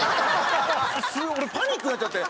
俺パニックになっちゃって。